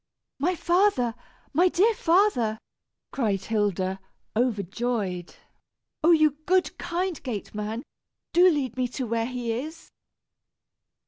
"My father! My dear father!" cried Hilda, overjoyed. "Oh! you good, kind gateman, do lead me to where he is."